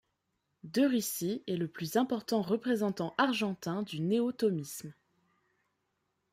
Derisi est le plus important représentant argentin du néo-thomisme.